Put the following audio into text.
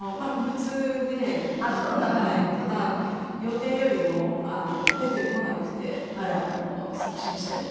ただ予定よりも出てこなくて促進しても。